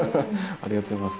ありがとうございます。